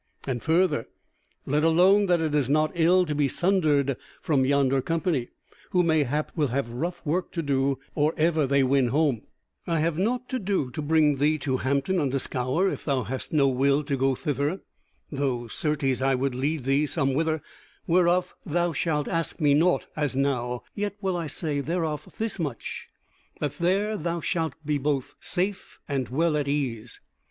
And further, let alone that it is not ill to be sundered from yonder company, who mayhap will have rough work to do or ever they win home, I have nought to do to bring thee to Hampton under Scaur if thou hast no will to go thither: though certes I would lead thee some whither, whereof thou shalt ask me nought as now; yet will I say thereof this much, that there thou shalt be both safe and well at ease.